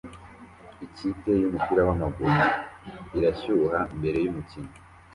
Ikipe yumupira wamaguru irashyuha mbere yumukino